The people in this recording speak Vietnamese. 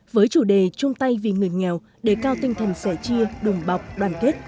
với chủ đề trung tây vì người nghèo đề cao tinh thần sẻ chia đùm bọc đoàn kết